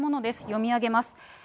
読み上げます。